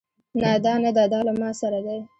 نه دا نده دا له ما سره دی